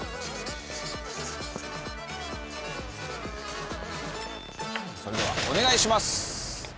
それではお願いします。